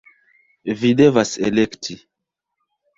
- Vi devas elekti!